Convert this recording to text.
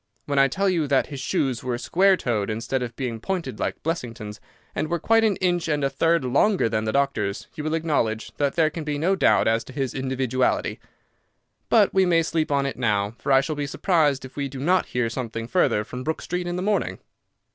When I tell you that his shoes were square toed instead of being pointed like Blessington's, and were quite an inch and a third longer than the doctor's, you will acknowledge that there can be no doubt as to his individuality. But we may sleep on it now, for I shall be surprised if we do not hear something further from Brook Street in the morning."